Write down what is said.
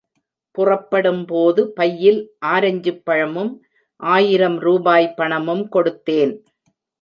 புறப்படும்போது, பையில் ஆரஞ்சுப் பழமும், ஆயிரம் ரூபாய் பணமும் கொடுத்தேன்.